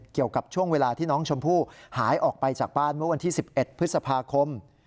เกี่ยวกับช่วงเวลาที่น้องชมพู่หายออกไปจากบ้านเมื่อวันที่๑๑พฤษภาคม